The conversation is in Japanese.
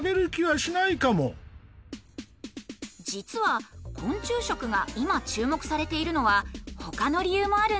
実は昆虫食が今注目されているのはほかの理由もあるんです。